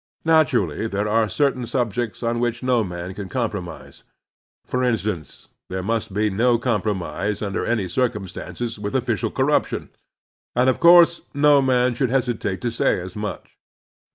Naturally there are certain subjects on which no man can compromise. For instance, there must be no compromise tmder any circum stances with official corruption, and of course no man should hesitate to say as much.